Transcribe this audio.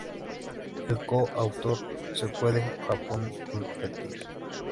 Es co-autor de "Puede Japón competir?